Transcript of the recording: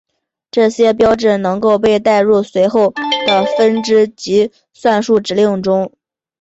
这些标志能够被带入随后的分支及算术指令中。